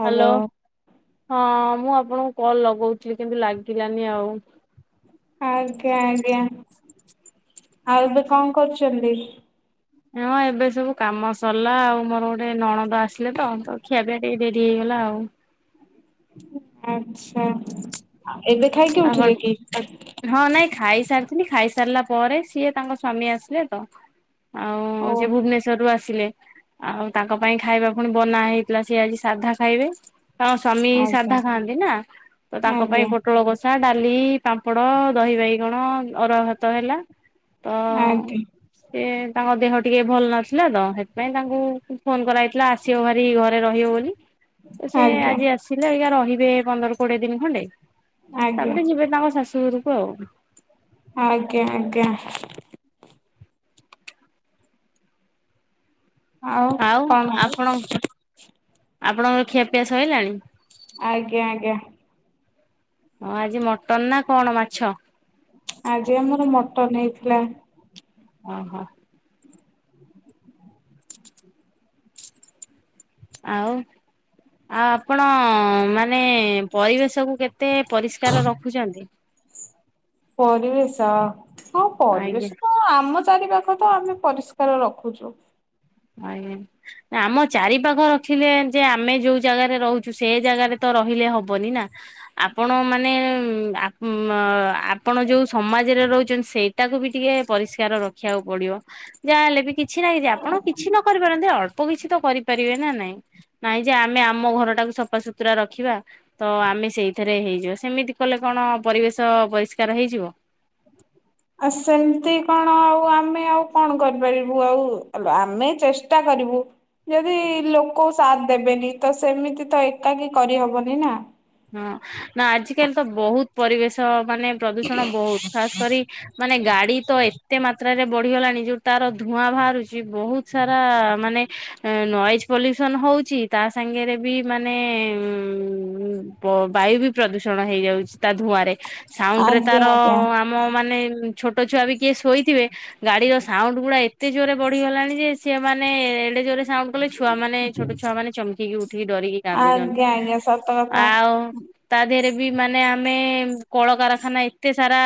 Hello hello, ହଁ ମୁଁ ଆପଣଙ୍କୁ କଲ୍ ଲଗଉଥିଲି କିନ୍ତୁ ଲାଗିଲାନି ଆଉ। ଆଜ୍ଞା-ଆଜ୍ଞା, ଆଉ ଏବେ କଣ କରୁଚନ୍ତି? ହଁ, ଏବେ ସବୁ କାମ ସରିଲା ଆଉ ମୋର ଗୋଟେ ନଣଦ ଆସିଲେ ତ-ତ ଖିଆପିଆ ଟିକେ ଡେରି ହେଇଗଲା ଆଉ। ଆଚ୍ଛା, ଏବେ ଖାଇକି ତାଙ୍କର ଉଠିଲେ କି? ହଁ ନାଇଁ ଖାଇସାରିଥିଲି, ଖାଇସାରିଲା ପରେ ସିଏ ତାଙ୍କ ସ୍ୱାମୀ ଆସିଲେ ତ ଓ ଆଉ ସିଏ ଭୁବନେଶ୍ୱରରୁ ଆସିଲେ। ଆଉ ତାଙ୍କ ପାଇଁ ଖାଇବା ପୁଣି ବନା ହେଇଥିଲା, ସେ ଆଜି ସାଧା ଖାଇବେ। ତାଙ୍କ ସ୍ବାମୀ ଆଜ୍ଞା ସାଧା ଖାଆନ୍ତି ନା, ତ ତାଙ୍କ ଆଜ୍ଞା ପାଇଁ ପୋଟଳ କଷା ଡାଲି, ପାମ୍ପଡ, ଦହି ବାଇଗଣ, ଅରୁଆ ଭାତ ହେଲା। ତ [unintelligible] [unintelligible] ତାଙ୍କ ଦେହ ଟିକେ ଭଲ ନଥିଲା ତ, ସେଥିପାଇଁ ତାଙ୍କୁ ଫୋନ୍ କରାହେଇଥିଲା ଆସିବ ଭାରି [unintelligible] ଘରେ ରହିବେ ବୋଲି, ସେ ଆଜ୍ଞା ଆଜି ଆସିଲେ ଅଇକା ରହିବେ ପନ୍ଦର କୋଡିଏ ଦିନ ଖଣ୍ଡେ। ଆଜ୍ଞା ତାପରେ ଯିବେ ତାଙ୍କ ଶାଶୁଘରୁକୁ ଆଉ। ଆଜ୍ଞା-ଆଜ୍ଞା। ଆଉ ଆପଣ ଆପଣଙ୍କର ଖିଆପିଆ ସଇଲାଣି? ଆଜ୍ଞା-ଆଜ୍ଞା। ହଁ ଆଜି ମଟନ୍ ନା କଣ ମାଛ? ଆଜି ଆମର ମଟନ୍ ହେଇଥିଲା। ଓହୋ। ଆଉ, ଆଉ ଆପଣ ମା ମାନେ ପରିବେଶକୁୁ କେତେ ପରିଷ୍କାର ରଖୁଚନ୍ତି? ପରିବେଶ, ହଁ ଆଜ୍ଞା। ପରିବେଶ ତ ଆମ ଚାରିପାଖ ତ ଆମେ ପରିଷ୍କାର ରଖୁଚୁ। ଆଜ୍ଞା। ଆମ ଚାରି ପାଖ ରଖିଲେ ଯେ ଆମେ ଯୋଉ ଜାଗାରେ ରହୁଚୁ ସେ ଜାଗାରେ ତ ରହିଲେ ହବନି ନା। ଆପଣ ମାନେ ଆ ହୁଁ ଆପଣ ଯୋଉ ସମାଜରେ ରହୁଚନ୍ତି ସେଇଟାକୁ ବି ଟିକେ ପରିଷ୍କାର ରଖିଆକୁ ପଡିବ। ଯାହା ହଲେ ବି କିଛି ନାହିଁ ଯଦି ଆପଣ କିଛି ନକରି ପାରନ୍ତି ଅଳ୍ପ କିଛି ତ କରିପାରିବେ ନା ନାଇଁ? ନାଇଁ ଯେ ଆମେ ଆମ ଘର ଟାକୁ ସଫାସୁତୁରା ରଖିବା ତ ଆମେ ସେଇଥିରେ ହେଇଯିବା ସେମିତି କଲେ କଣ ପରିବେଶ ପରିଷ୍କାର ହେଇଯିବ? ଆଉ ସେମତି କଣ ଆଉ ଆମେ ଆଉ କଣ କରିପାରିବୁ ଆଉ ଆମେ ଚେଷ୍ଟା କରିବୁ। ଯଦି ଲୋକ ସାତ୍ ଦେବେନି ତ ସେମିତି ତ ଏକାକି କରିହବନି ନା। ହଁ- ନା ଆଜିିକାଲି ତ ବହୁତ୍ ପରିବେଶ୍ ତ ମାନେ ପ୍ରଦୂଷଣ ବହୁତ୍ ଖାସ୍ କରି ମାନେ ଗାଡି ତ ଏତେ ମାତ୍ର [unintelligible] ବଢିଗଲାଣି ଯଉ ତାର ଧୂଆଁ ବାହାରୁଚି ବହୁତ୍ ସାରା ମାନେ ନଏଜ୍ ପଲ୍ୟୁସନ୍ ହଉଚି ତା ସାଙ୍ଗରେ ବି ମାନେ ପ -ବାୟୁ ବି ପ୍ରଦୂଷଣ ହେଇଯାଉଚି ତା ଧୂଆଁ ରେ ସାଉଣ୍ଡ୍ ରେ ଆଜ୍ଞା ତାର ଆଜ୍ଞା ମ- ମାନେ ଛୋଟ ଛୁଆ ବି କିଏ ଶୋଇଥିବେ ଗାଡିର ସାଉଣ୍ଡ୍ ଗୁଡା ଏତେ ଜୋର୍ ରେ ବଢିଗଲାଣି ଯେ ସିଏ ମାନେ ଏଡେ ଜୋରେ ସାଉଣ୍ଡ୍ କଲେ ଛୁଆ ମାନେ ଛୋଟ ଛୁଆ ମାନେ ଚମକି ଉଠିକି ଡରିକି କାନ୍ଦୁଚନ୍ତି ଆଜ୍ଞା ଆଜ୍ଞା ସତ କଥା ଆଉ ତା ଦେହରେ ବି ମାନେ ଆମେ କଳକାରଖାନା ଏତେ ସାରା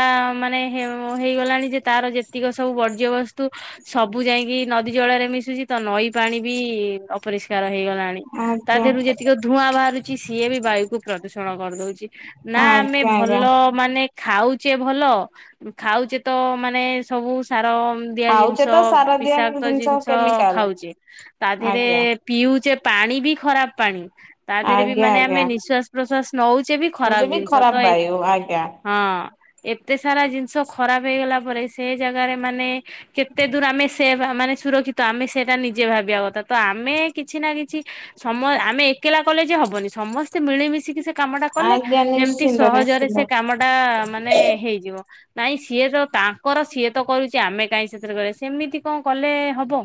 ମାନେ ହେ-ହେଇଗଲାଣି ଯେ ତାର ଯେ ଯେତିକ ସବୁ ବର୍ଜ୍ୟବସ୍ତ୍ ତୁ ସବୁ ଯାଇକି ନଦୀ ଜଳରେ ମିଶୁଚି ତ ନଈ ପାଣି ବି ଅପରିଷ୍କାର ହେଇଗଲାଣି। ତା ଆଜ୍ଞା ଦେହରୁ ଯେତିକି ଧୂଆଁ ବାହାରୁଚି ସିଏ ବି ବାୟୁକୁ ପ୍ରଦୂଷଣ କରିଦଉଚି ନା ଆମେ ଆଜ୍ଞା ଆଜ୍ଞା ଭଲ ମାନେ ଖାଉଚେ ଭଲ ଖାଉଚେ ତ ମାନେ ସବୁ ସାର ଦିଆ ଜିନିଷ ଖାଉଛେ ତ ସାର ଦିଆ ବିଷାକ୍ତ ଜିନିଷ କେମିକାଲ ଖାଉଚେ ତା ଦେହରେ ଆଜ୍ଞା ପିଉଚେ ପାଣି ବି ଖରାପ୍ ପାଣି ତା ଦେହରେ ବି ଆଜ୍ଞା ମାନେ ଆଜ୍ଞା ଆମେ ନିଶ୍ଵାସ୍ ନିଶ୍ୱାସ ନଉଚେ ବି ଖରାପ୍ ନଚେବି ଜିନିଷ ତ ଖରାପ ଏ ବାୟୁ ଆଜ୍ଞା ହଁ ଏତେ ସାରା ଜିନିଷ ଖରାପ ହେଇଗଲା ପରେ ସେ ଜାଗାରେ ମାନେ କେତେ ଦୂର ଆମେ ସେ ମାନେ ସୁରକ୍ଷିତ ଆମେ ସେଟା ନିଜେ ଭାବିବା କଥା ତ ଆମେ କିଛି ନା କିଛି ସମୟ- ଆମେ ଏକେଲା କଲେ ଯେ ହବନି ସମସ୍ତେ ମିଳିମିଶି ମିଶିକି ସେ କାମ ଟା କଲେ ଆଜ୍ଞା ଯେମିତି ନିଶ୍ଚିନ୍ତ ସହଜରେ ସେ ନିଶ୍ଚିନ୍ତ। କାମ ଟା ମାନେ ହେଇଯିବ। ନାଇଁ ସିଏ ତ ତାଙ୍କର ସିଏ ତ କରୁଚି ଆମେ କାଇଁ ସେଥିରେ କରିବା ସେମିତି କଣ କଲେ ହବ।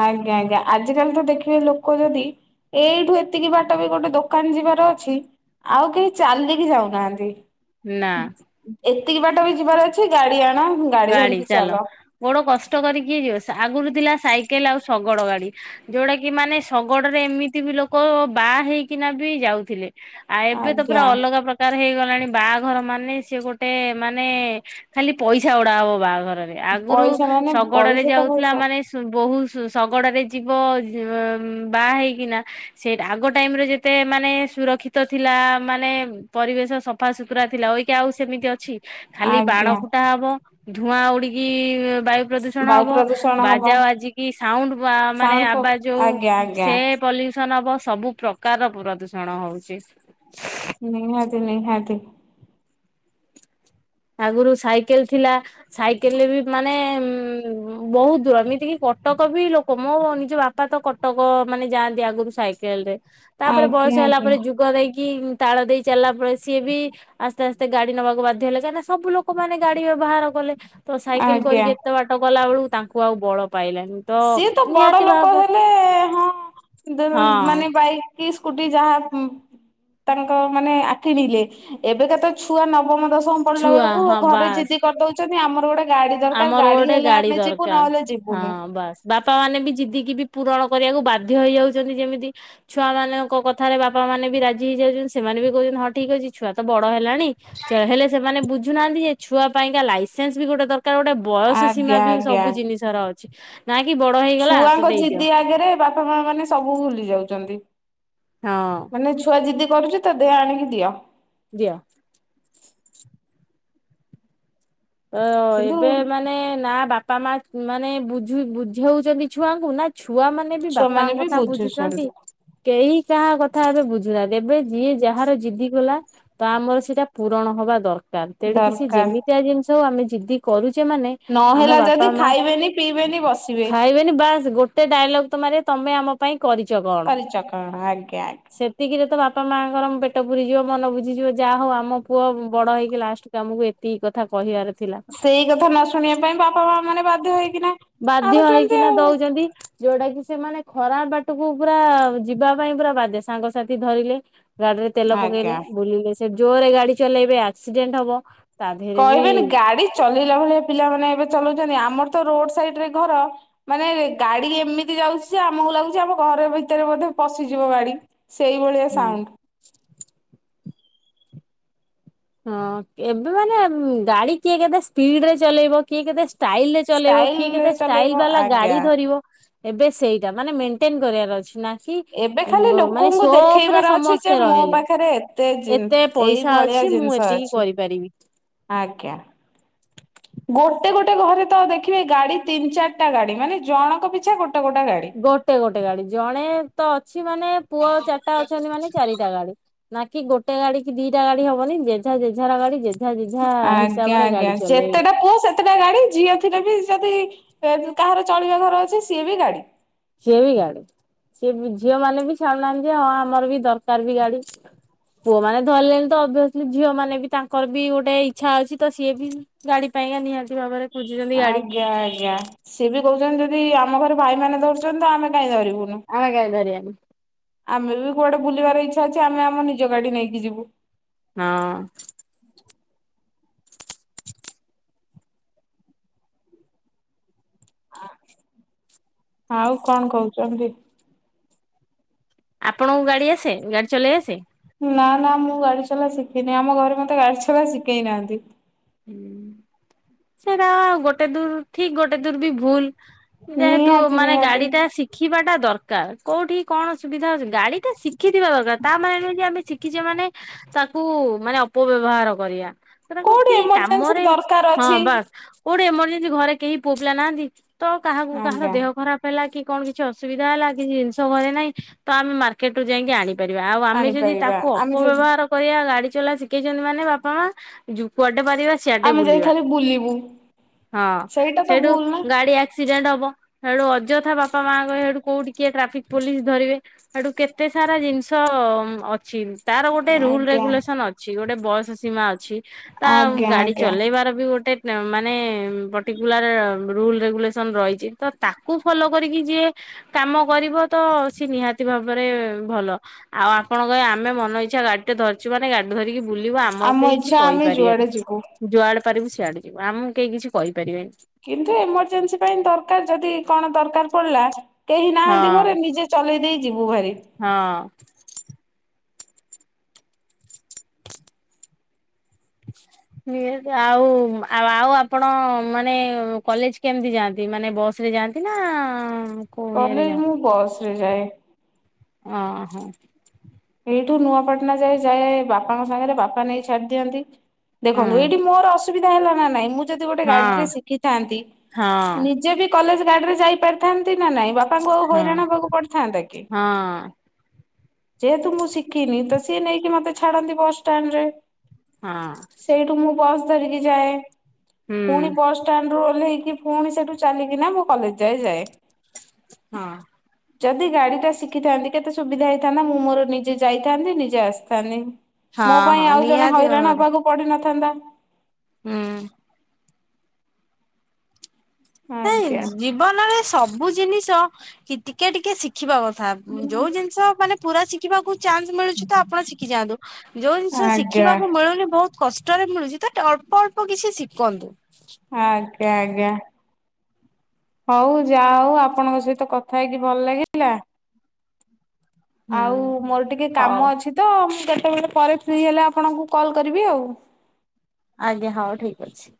ଆଜ୍ଞା -ଆଜ୍ଞା ଆଜିକାଲି ତ ଦେଖିବେ ଲୋକ ଯଦି ଏଇଠୁ ଏତିକି ବାଟ ବି ଗୋଟେ ଦୋକାନ୍ ଯିବାର ଅଛି ଆଉ କେହି ଚାଲିକି ଯାଉନାହାନ୍ତି। ନା। ଏତିକି ବାଟ ବି ଯିବାର ଅଛି ଗାଡି ଆଣ ଗାଡି ଧରିକି ଚାଲ। ଗୋଡ କଷ୍ଟ କରି କିଏ ଯିବ ଆଗୁରୁ ଥିଲା ସାଇକେଲ୍ ଆଉ ଶଗଡ ଗାଡି। ଯଉଟା କି ମାନେ ଶଗଡରେ ଏମିତି ବି ଲୋକ ବାହା ହେଇକିନା ବି ଯାଉଥିଲେ। ଆ ଏବେ ତ ପୁରା ଆଜ୍ଞା ଅଲଗା ପ୍ରକ୍ ଉପକାର ହେଇଗଲାଣି ବାହାଘର ମାନେ ସିଏ ଗୋଟେ ମାନେ ଖାଲି ପଇସା ଉଡା ହବ ବାହାଘରରେ। ଆଗୁରୁ ପଇସା ମାନେ ଶଗଡରେ ପଇସା ତ ଯାଉଥିଲା ପଇସା। ମାନେ ସେ ବହୂ ଶ-ଶଗଡ଼ରେ ଯିବ ବାହା ହେଇକିନା ସେ ଆଗ ଟାଇମ୍ ରେ ଯେତେ ମାନେ ସୁରକ୍ଷିତ ଥିଲା ମାନେ ପରିବେଶ ସଫାସୁତୁରା ଥିଲା ଅଇକା ଆଉ ସେମିତି ଅଛି ଖାଲି ବାଣ ଆଜ୍ଞା ଫୁଟା ହବ ଧୂଆଁ ଉଡିକି ବାୟୁ ପ୍ରଦୂଷଣ ବାୟୁ ହବ। ପ୍ରଦୂଷଣ ହବ ବାଜା ବାଜିକି ସାଉଣ୍ଡ୍ ବ-ମାନେ ସାଉଣ୍ଡ ପ ଆବାଜ ଯଉ ଆଜ୍ଞା ଆଜ୍ଞା। ସେ ପଲ୍ୟୁସନ୍ ହବ ସବୁ ପ୍ରକାରର ପ୍ରଦୂଷଣ ହଉଚି। ନିହାତି -ନିହାତି। ଆଗୁରୁ ସାଇକେଲ୍ ଥିଲା ସାଇକେଲ୍ ରେ ବି ମାନେ ଉଁ ବହୁତ୍ ଦୂର ଏମିତିକି କଟକ ବି ଲୋକ ମୋ ନିଜ ବାପା ତ କଟକ ମାନେ ଯାଆନ୍ତି ଆଗୁରୁ ସାଇ କେଲ୍ ରେ ତାପରେ ଆଜ୍ଞା ବୟସ ହେଲା ଆଜ୍ଞା ପରେ ଯୁଗ ଦେଇକି ତାଳ ଦେଇ ଚାଲିଲା ପରେ ସିଏ ବି ଆସ୍ତେ ଆସ୍ତେ ଗାଡି ନବାକୁ ବାଧ୍ୟ ହେଲେ କଁକ ସବୁ ଲୋକମାନେ ଗାଡି ବ୍ୟବହାର କଲେ ତ ସାଇକେଲ କରିକି ଆଜ୍ଞା। ଏତେ ବାଟ ଗଲା ବେଳକୁ ତା କୁ ଆଉ ବଳ ପାଇଲାନି। ସିଏ ତ ବଡ ନିହାତି ଲୋକ ଭାବରେ ହେଲେ ହଁ ଦେଲ ହଁ ମାନେ ବାଇ କି ସ୍କୁଟି ଯାହା ତାଙ୍କ ମାନେ ଆ କିିଣିଲେ ଏବେକା ତ ଛୁଆ ନବମ ଦଶ ମ ପଡିଲା ଛୁଆ ବେଳକୁ ହଁ ଘରେ ବାସ୍ ଜିଦି କରିଦଉଛନ୍ତି ଆମର ଗୋଟେ ଗାଡି ଦରକାର ଆମର ଗାଡି ଗୋଟେ ହେଲେ ଆମେ ଯିବୁ ଦରକାର। ନହେଲେ ଯିବୁନି। ହଁ ବାସ୍ ବାପା ମାନେ ବି ଜିଦିକି ବି ପୂରଣ କରିବାକୁ ବାଧ୍ୟ ହେଇଯାଉଛନ୍ତି ଯେମିତି ଛୁଆ ମାନଙ୍କ କଥାରେ ବାପା ମାନେ ବି ରାଜି ହେଇଯାଉଛନ୍ତି ସେମାନେ ବି କହୁଛନ୍ତି ହଁ ଠିକ ଅଛି। ଛୁଆ ତ ବଡ ହେଲାଣି ହେଲେ ସେମାନେ ବୁଝୁନାହାନ୍ତି ଯେ ଛୁଆ ପାଇଁକା ଲାଇସେନ୍ସ ବି ଗୋଟେ ଦରକାର ଗୋଟେ। ବୟସ ସୀମା ଆଜ୍ଞା ବି ଆଜ୍ଞା ସବୁ ଜିନିଷର ଅଛି ନା କି ବଡ ହେଇଗଲା ତ ଦେଇଦିଅ। ତା ଆଗରେ ବା ବାପା ମା ମାନେ ସବୁ ଭୁଲି ଯାଉଛନ୍ତି। ହଁ। ମାନେ ଛୁଆ ଯିଦି କରୁଛି ତ ଦେ ଆଣିକି ଦିଅ। ଦିଅ। ଅ କିନ୍ତୁ ଏବେ ମାନେ ନା ବାପା ମା ମାନେ ବୁଝ ବୁଝଉଛନ୍ତି ଛୁଆଙ୍କୁ ନା ଛୁଆ ମାନେ ବି ଛୁଆ ମାନେ ବାପାଙ୍କ ବି କଥା ବୁଝୁଛନ୍ତି। କେହି କାହା କଥା ଏବେ ବୁଝୁନାହନ୍ତି ଏବେ ଯିଏ ଯାହାର ଜିଦିଗଲା ତ ଆମର ସେଇଟା ପୂରଣ ହବା ଦରକାର ତେଣିକି ସେ ଦରକାର ଯେମିତିଆ ଜିନିଷ ହ ଆମେ ଯିଦି କରୁଛେ ମାନେ? ଆମ ନହେଲା ବାପା ଯଦି ମା ଖାଇବେନି ପିଇବେନି ବସିବେ ଖାଇବେନି ବାସ୍ ଗୋଟେ ଡାଇଲଗ ତ ମାରିବେ ତମେ ଆମ ପାଇଁ କରିଛ କଣ କରିଚକଣା ଆଜ୍ଞା ଆଜ୍ଞା। ସେ ଏତିକିରେ ତ ବାପା ମାଆଙ୍କର ପେଟ ପୁରିଯିବ ମନ ବୁଝିଯିବ ଯାହା ହଉ ଆମ ପୁଅ ବଡ ହେଇକି ଲାଷ୍ଟ ଆମକୁ ଏତିକି କଥା କହିବାର ଥିଲା। ସେଇ କଥା ନ ଶୁଣିବା ପାଇଁ ବାପା ମା ମାନେ ବାଧ୍ୟ ହେଇକିନା ଆଣୁଚନ୍ତି ଆଉ। ଚନ୍ତି। ଯୋଉଟା କି ସେମାନେ ଖରା ବାଟକୁ ପୁରା ଯିବା ପାଇଁ ପୁରା ବାଧ୍ୟେ ସାଙ୍ଗସାଥି ଧରିଲେ ଗାଡିରେ ତେଲ ଆଜ୍ଞା। ପକେଇଲେ ବୁଲିଲେ ସେ ଜୋରରେ ଗାଡି ଚଲେଇବେ ଆକ୍ସିଡେଣ୍ଟ ହବ ଆ କହିବେନି ଗାଡି ଚଲେଇଲା ଭଳିଆ ପିଲାମାନେ ଏବେ ଚଲାଉଚନ୍ତି ଆମର ତ ରୋଡ ସାଇଡରେ ଘର। ମାନେ ଗାଡି ଏମିତି ଯାଉଚି ଯେ ଆମକୁ ଲାଗୁଚି ଆମକୁ ଘର ଭିତରେ ବୋଧେ ପଶିଯିବ ଗାଡି। ସେଇଭଳିଆ ସାଉଣ୍ଡ। ହଁ ଏବେ ମାନେ ଗାଡି କିଏ କେତେ ସ୍ପିଡ ରେ ଚଲେଇବ କିଏ କେତେ ଷ୍ଟାଇଲ ରେ ଚଲେଇବ କିଏ ଷ୍ଟାଇଲରେ କେତେ ଷ୍ଟାଇଲ ଚଲେଇବ ବାଲା ଗାଡି ଆଜ୍ଞା। ଧରିବ ଏବେ ସେଇଟା ମାନେ ମେଣ୍ଟେନ କରିବାର ଅଛି ନା। କି ଏବେ ଖାଲି ମାନେ ଲୋକଙ୍କୁ ସୋପ ରେ ଦେଖେଇବାର ଅଛି ଯେ ସମସ୍ତେ ମୋ ରହିଲେ ପାଖରେ ଏତେ ଏତେ ଏଇ ପଇସା ଭଳିଆ ଅଛି ମୁଁ ଜିନିଷ ଏତିକି ଅଛି କରିପାରିବି। ଆଜ୍ଞା। ଗୋଟେ ଗୋଟେ ଘରେ ତ ଦେଖିବେ ଗାଡି ତିନି ଚାରିଟା ଗାଡି ମାନେ ଜଣଙ୍କ ପିଛା ଗୋଟେ ଗୋଟେ ଗାଡି। ଗୋଟେ ଗୋଟେ ଗାଡି ଜଣେତ ଅଛି ମାନେ ପୁଅ ଚାରିଟା ଅଛନ୍ତି ମାନେ ଚାରିଟା ଗାଡି। ନା କି ଗୋଟେ ଗାଡି କି ଦିଟା ଗାଡି ହବନି ଜେଝା ଯେଝାର ଗାଡି ଯେ ଯେଝା ଯେଝା ହିସାବରେ ଗାଡି ଚଲେଇବେ। ଟା ଗାଡି ଝିଅ ଥିଲେ ବି ଯଦି କାହାର ଚଳିବା ଘର ଅଛି ସିଏ ବି ଗାଡି। ସିଏ ବି ଗାଡି ସିଏ ଝିଅ ମାନେ ବି ଛାଡୁନାହାନ୍ତି ହଁ ଆମର ବି ଦରକାର ବି ଗାଡି। ପୁଅ ମାନେ ଧରିଲେନି ତ ଅଭିଅସଲି ଝିଅ ମାନେ ବି ତାଙ୍କର ବି ଗୋଟେ ଇଚ୍ଛା ଅଛି ତ ସିଏ ବି ଗାଡି ପାଇଁକା ନିହାତି ଭାବରେ ଖୋଜିଚନ୍ତି ଗାଡି। ୟା ୟା। ସିଏ ବି କହୁଚନ୍ତି ଯଦି ଆମ ଘରେ ଭାଇମାନେ ଧରୁଚନ୍ତି ତ ଆମେ କାହିଁ ଧରିବୁନୁ। ଆମେ କାଇଁ ଧରିବାନି। ଆମେ ବି କୁଆଡେ ବୁଲିବାର ଇଚ୍ଛା ଅଛି ଆମେ ଆମ ନିଜ ଗାଡି ନେଇକି ଯିବୁ। ହଁ। ଆଉ କଣ କହୁଚନ୍ତି। ଆପଣଙ୍କୁ ଗାଡି ଆସେ ଗାଡି ଚଲେଇ ଆସେ? ନା ନା ମୁଁ ଗାଡି ଚଲା ଶିଖିନି ଆମ ଘରେ ମତେ ଗାଡି ଚଲା ଶିକେଇ ନାହାନ୍ତି। ହୁଁ ସେଟା ଗୋଟେ ଦୂର ଠିକ ଗୋଟେ ଦୂର ବି ଭୁଲ। ଯେହେତୁ ନିହାତି ମାନେ ନିହାତି ଗାଡି ଟା ଶି ଖିବା ଟା ଦରକାର କୋଉଠି କଣ ସୁବିଧା ଅସୁବି ଗାଡିଟା ଶିଖିଥିବା ଦରକାର ତା ମାନେ ନୁହେ ଆମେ ଶିଖିଚେ ମାନେ ତାକୁ ମାନେ ଅପବ୍ୟବହାର କରିବା ସେ ତାକୁ କୋଉଠି କି ଏମରଜେନ୍ସି କାମରେ ଦରକାର ହଁ ଅଛି ବା କୋଉଟି ଏମର୍ଜେନ୍ସି ଘରେ କେହି ପୁଅ ପିଲା ନାହାନ୍ତି ତ କାହାକୁ କାହାର ଆଜ୍ଞା ଦେହ ଖରାପ ହେଲା କି କଣ କିଛି ଅସୁବିଧା ହେଲା କିଛି ଜିନିଷ ଘରେ ନାହିଁ ତ ଆମେ ମାର୍କେଟ ରୁ ଯାଇକି ଆଣି ପରିବା ଆଉ ଆମେ ଯଦି ଆଣିପାରିବା ତାକୁ ଆମେ ଯଦି ଅପବ୍ୟବହାର କରିବା ଗାଡି ଚଲା ଶି କେଇଚନ୍ତି ମାନେ ବାପା ମା କୁଆଡେ ପାରିବା ଡେ ଆମେ ଯାଇ ବୁଲିବା ଖାଲି ବୁଲିବୁ ହଁ ସେଇଟା ତ ସେଇଠୁ ଭୁଲ ନା। ଗାଡି ଆ କ୍ସିଡେଣ୍ଟ ହବ ସେଠୁ ଅଯଥା ବାପା ମାଆଙ୍କଠୁ କୋଉଠିିକଏ ଟ୍ରାଫିକ ପୋଲିସ ଧରିବେ ଏଠୁ କେତେ ସାରା ଜିନିଷ ଅଛି ତାର ଗୋଟେ ରୁଲ ଆଜ୍ଞା ରେଗୁଲେସନ ଅ ଛି ଗୋଟେ ବୟଷ ସୀମା ଅଛି ତା ଆଜ୍ଞା ଗାଡି ଆଜ୍ଞା ଚଲେଇବାର ବି ଗୋଟେ ମାନେ ପର୍ଟିକୁଲାର ରୁଲ ରେଗୁଲେସନ୍ ରହିଚି ତ ତାକୁ ଫଲୋ କରିକି ଯିଏ କାମ କରିବ ତ ସିଏ ନିହାତି ଭାବରେ ଭଲ। ଆଉ ଆପଣଙ୍କ ଆମେ ମନ ଇଚ୍ଛା ଗାଡି ଟେ ଧରିଚୁ ମାନେ ଗାଡି ଧକି ବୁଲିବୁ ଆମକୁ କେହି କିଛି କହିପାରିବନି। ପ ଯିବୁ। ଯୁଆଡେ ପାରିବୁ ସିଆଡେ ଯିବ ଆମକୁ କେହି କିଛି କହିପାରିବେନି। କିନ୍ତୁ ଏମରଜେନ୍ସି ପାଇଁ ଦରକାର ଯଦି କଣ ଦରକାର ପଡିଲା କେହି ନାହାନ୍ତି ହଁ ଘରେ ନିଜେ ଚଲେଇ ଦେଇେଇ ଯିବୁ ଭାରି ହଁ ଆଉ ଆଉ ଆପଣ ମାନେ କଲେଜ କେମିତି ଯାଆନ୍ତି ମାନେ ବସ ରେ ଯାଆନ୍ତି? ଏ ନା କୋଉ ଇଏରେ କଲେଜ ଯାଅ ମୁଁ ବସ ରେ ଯାଏ। ଓହୋ ଏଇଠୁ ନୂଆପାଟଣା ଯାଏ ଯାଏ ବାପାଙ୍କ ସାଙ୍ଗରେ ବାପା ନେଇ ଛାଡି ଦିଅନ୍ତି। ହଁ ଦେଖନ୍ତୁ ଏଇଠି ମୋର ଅସୁବିଧା ହେଲା ନା ନାଇଁ ମୁଁ ଯଦି ଗୋଟେ ହଁ ଗାଡିରେ ଶିଖିଥାନ୍ତି ହଁ ନିଜେ ବି କଲେଜ ଗାଡିରେ ଯାଇ ପାରିଥାନ୍ତି ନା ନାଇଁ ବାପା ବାପାଙ୍କୁ ଆଉ ହଁ ହଇରାଣ ହ ହେବାକୁ ପଡିଥାନ୍ତା କି। ହଁ ଯେହେତୁ ମୁଁ ଶିଖିନି ତ ସିଏ ନେଇକି ମତେ ଛାଡନ୍ତି ବସଷ୍ଟାଣ୍ଡ ରେ ହଁ ସେଇଠୁ ମୁଁ ବସ୍ ଧରିକି ଯାଏ ହୁଁ ପୁଣି ବସଷ୍ଟାଣ୍ଡରୁୁ ଓହ୍ଲେଇକି ପୁଣି ସେଠୁ ଚାଲିକିନା ମୁଁ କଲେଜ ଯାଏ ଯାଏ ହଁ ଯଦି ଗାଡି ଟା ଶିଖିଥାନ୍ତି କେତେ ସୁବିଧା ହେଇଥାନ୍ତା ମୁଁ ମୋର ନିଜେ ଯାଇଥାନ୍ତି ନିଜେ ଆସିଥାନ୍ତି। ମୋ ହଁ ପାଇଁ ହଁ ଆଉ ଜଣେ ନିହାତି ହଇରାଣ ଭାବରେ ହେବାକୁ ପଡିିନଥାନ୍ତ ହୁଁ। ନାଇଁ ଆଜ୍ଞା। ଜୀବନରେ ସବୁ ଜିନିଷ ଟିକେ ଟିକେ ଶିଖିବା କଥା। ଯୋଉ ଜିନିଷ ମାନେ ପୁରା ଶିଖିବାକୁ ଚାନ୍ସ ମିଳୁଛି ତ ଆପଣ ଶିଖି ଯାଆନ୍ତୁ ଯୋଉ ଜିନିଷ ଆଜ୍ଞା ଶିଖିବାକୁ ମିଳୁନି ବହୁତ କଷ୍ଟରେ ମିଳୁଛି ତ ଅଳ୍ପ ଅଳ୍ପ କିଛି ଶିଖନ୍ତୁ। ଆଜ୍ଞା ଆଜ୍ଞା। ହଉ ଯା ହଉ ଆପଣଙ୍କ ସହିତ କଥା ହେଇକି ଭଲ ଲାଗଲା। ହୁଁ ଆଉ ମୋର ଟିକେ ହଉ କାମ ଅଛି ତ ମୁଁ ଗଟେବେଳେ ପରେ ଫ୍ରି ହେଲେ ଆପଣଙ୍କୁ କଲ୍ କରିବି ଆଉ ଆଜ୍ଞା ହଁ ଠିକ ଅଛି।